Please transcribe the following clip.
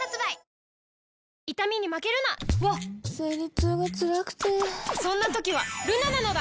わっ生理痛がつらくてそんな時はルナなのだ！